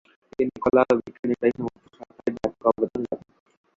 তিনি কলা ও বিজ্ঞানের প্রায় সমস্ত শাখায় ব্যাপক অবদান রাখেন।